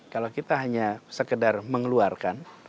kalau kita hanya sekedar mengeluarkan